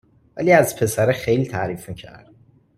ولی از پسره خیلی تعریف می کرد